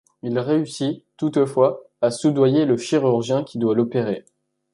Il réussit, toutefois, à soudoyer le chirurgien qui doit l'opérer.